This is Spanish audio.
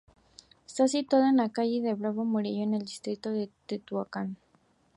Está situado en la calle de Bravo Murillo, en el distrito de Tetuán.